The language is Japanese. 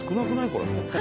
これ。